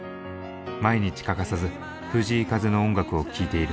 毎日欠かさず藤井風の音楽を聴いている。